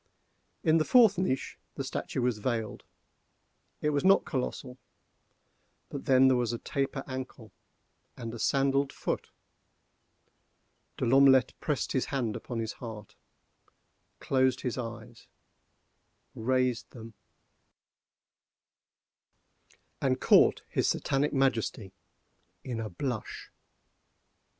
In the fourth niche the statue was veiled; it was not colossal. But then there was a taper ankle, a sandalled foot. De L'Omelette pressed his hand upon his heart, closed his eyes, raised them, and caught his Satanic Majesty—in a blush.